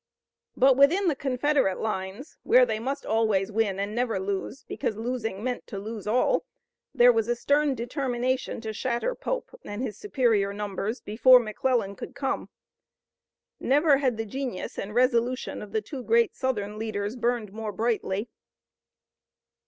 But within the Confederate lines, where they must always win and never lose, because losing meant to lose all there was a stern determination to shatter Pope and his superior numbers before McClellan could come. Never had the genius and resolution of the two great Southern leaders burned more brightly.